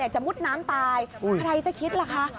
มุดน้ำตายใครจะคิดล่ะคะ